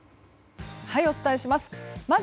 お伝えします。